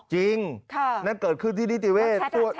จริงนั่นเกิดขึ้นที่นิติเวศ